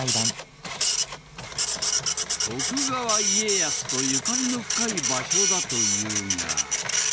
徳川家康とゆかりの深い場所だというが。